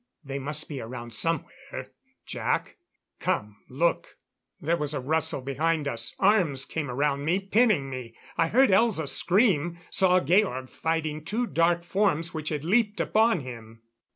They must be around somewhere, Jac. Come, look." There was a rustle behind us. Arms came around me, pinning me. I heard Elza scream, saw Georg fighting two dark forms which had leaped upon him.